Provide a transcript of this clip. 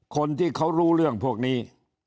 คนที่เขารู้เรื่องพวกนี้